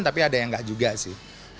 tapi ada yang nggak juga sih